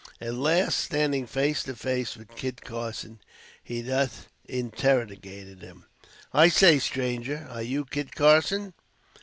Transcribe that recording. At last, standing face to face with Kit Carson, he thus interrogated him. "I say, stranger, are you Kit Carson?"